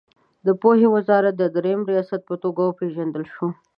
د پوهنې وزارت د دریم ریاست په توګه وپېژندل شوه.